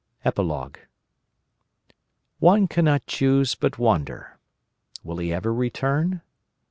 Epilogue One cannot choose but wonder. Will he ever return?